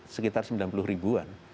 sekitar sembilan puluh ribuan